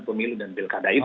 pemilu dan pilkada itu